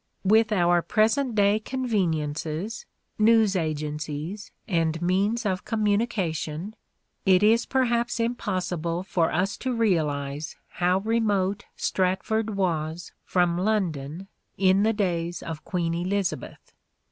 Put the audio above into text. With our present day conveniences, news agencies and means of communication, it is perhaps impossible for us to realize how remote Stratford was from London in the days of Queen Elizabeth.